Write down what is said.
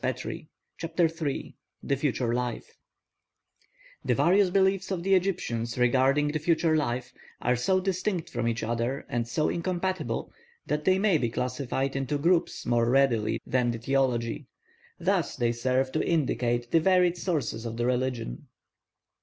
CHAPTER III THE FUTURE LIFE The various beliefs of the Egyptians regarding the future life are so distinct from each other and so incompatible, that they may be classified into groups more readily than the theology; thus they serve to indicate the varied sources of the religion.